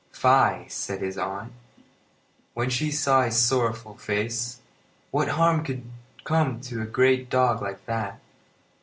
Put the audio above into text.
"Fie!" said his aunt, when she saw his sorrowful face. "What harm could come to a great dog like that?"